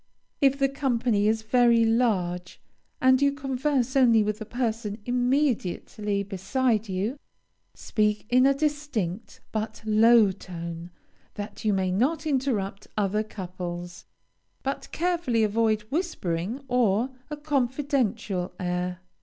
If the company is very large, and you converse only with the person immediately beside you, speak in a distinct, but low tone, that you may not interrupt other couples, but carefully avoid whispering or a confidential air.